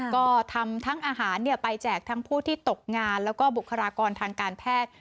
ก็ทำทั้งอาหารไปแจกทั้งผู้ที่ตกงานแล้วก็บุคลากรทางการแพทย์